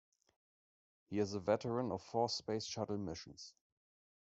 He is a veteran of four space shuttle missions.